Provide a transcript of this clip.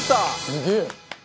「すげえ！」